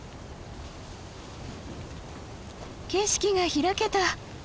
景色が開けた。